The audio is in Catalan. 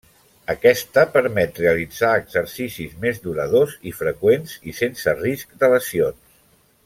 Aquesta permet realitzar exercicis més duradors i freqüents, i sense risc de lesions.